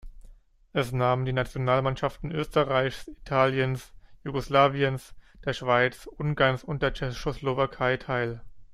Es nahmen die Nationalmannschaften Österreichs, Italiens, Jugoslawiens, der Schweiz, Ungarns und der Tschechoslowakei teil.